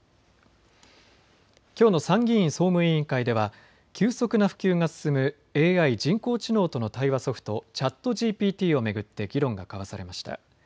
きょうの参議院総務委員会では急速な普及が進むＡＩ・人工知能との対話ソフト、チャットＧＰＴを巡って議論が交わされました。